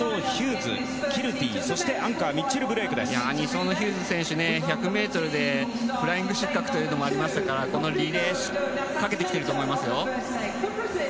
２走のヒューズ選手は１００ｍでフライング失格もありましたからリレーにかけてると思いますよ。